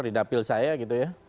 di dapil saya gitu ya